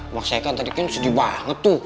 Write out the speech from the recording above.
maksudnya kan tadi kan sedih banget tuh